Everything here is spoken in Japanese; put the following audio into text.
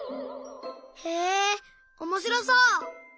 へえおもしろそう！